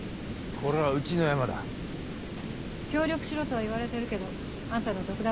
これはうちのヤマだ協力しろとは言われてるけどあんたの独断